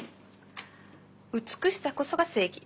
美しさこそが正義。